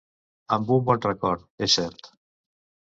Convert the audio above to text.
Amb un bon record, és cert.